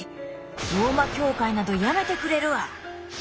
ローマ教会などやめてくれるわ！」。